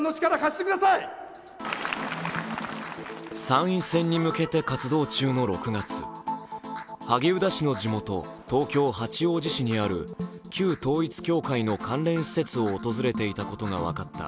参院選に向けて活動中の６月萩生田氏の地元東京・八王子市の旧統一教会の関連施設を訪れていたことが分かった